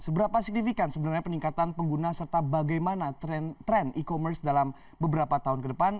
seberapa signifikan sebenarnya peningkatan pengguna serta bagaimana tren e commerce dalam beberapa tahun ke depan